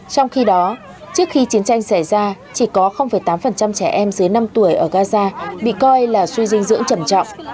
trong khi đó trước khi chiến tranh xảy ra chỉ có tám trẻ em dưới năm tuổi ở gaza bị coi là suy dinh dưỡng trầm trọng